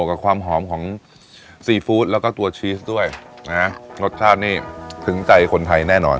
กับความหอมของซีฟู้ดแล้วก็ตัวชีสด้วยนะรสชาตินี่ถึงใจคนไทยแน่นอน